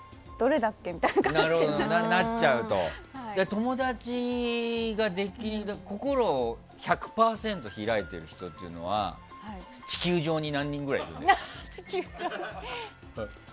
友達で心を１００％開いてる人っていうのは地球上に何人ぐらいいるんですか？